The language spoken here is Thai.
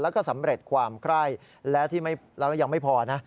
แล้วก็สำเร็จความไคร้และที่แล้วก็ยังไม่พอนะ